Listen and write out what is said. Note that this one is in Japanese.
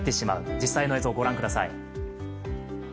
実際の映像ご覧ください。